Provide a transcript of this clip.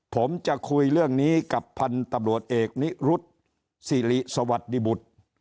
ผมจะคุยเรื่องนี้กับพันธุ์ตำรวจเอกนิรุธสิริสวัสดิบุตร